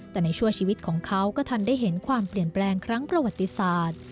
แต่ในชั่วชีวิตของเขาก็ทันได้เห็นความเปลี่ยนแปลงครั้งประวัติศาสตร์